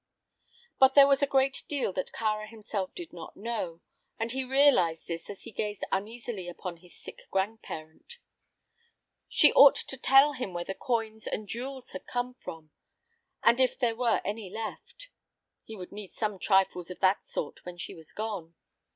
But there was a great deal that Kāra himself did not know, and he realized this as he gazed uneasily upon his sick grandparent. She ought to tell him where the coins and jewels had come from, and if there were any left. He would need some trifles of that sort when she was gone.